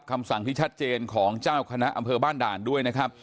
คำสั่งที่ชัดเจนของเจ้าคณะอำเภอบ้านด่านด้วยนะครับ